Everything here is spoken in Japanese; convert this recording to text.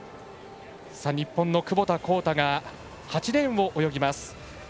日本の窪田幸太が８レーンを泳ぎます。